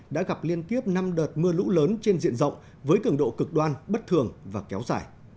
đã gặp liên tiếp năm đợt mưa lũ lớn trên diện rộng với cường độ cực đoan bất thường và kéo dài